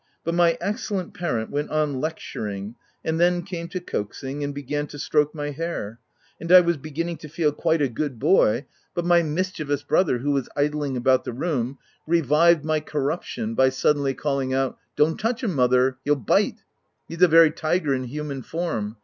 But my excellent parent went on lecturing, and then came to coaxing, and began to stroke my hair ; and I was getting to feel quite a good boy, but my mischievous brother who was idling about the room, revived my cor ruption by suddenly calling out: —" Don't touch him mother ! he'll bite ! He's a very tiger in human form.